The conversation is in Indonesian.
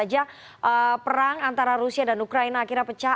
aja perang antara rusia dan ukraina akhirnya pecah